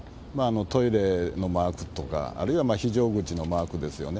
トイレのマークとか、あるいは非常口のマークですよね。